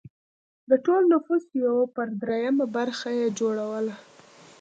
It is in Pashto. د ټول نفوس یو پر درېیمه برخه یې جوړوله.